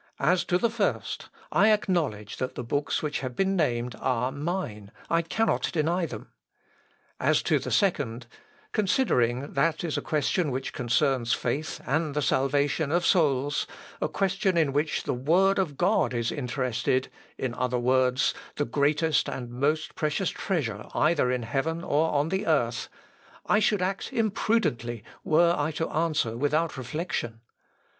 "As to the first, I acknowledge that the books which have been named are mine: I cannot deny them. "As to the second, considering that is a question which concerns faith and the salvation of souls, a question in which the Word of God is interested, in other words, the greatest and most precious treasure either in heaven or on the earth, I should act imprudently were I to answer without reflection.